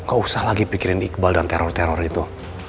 gak usah lagi pikirin iqbal dan teror teror itu